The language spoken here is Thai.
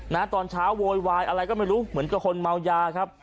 ตอนเช้าโวยวายอะไรก็ไม่รู้เหมือนกับคนเมายาครับ